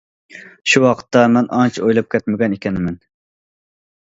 شۇ ۋاقىتتا مەن ئانچە ئويلاپ كەتمىگەن ئىكەنمەن.